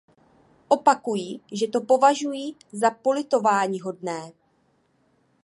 Opakuji, že to považuji za politováníhodné.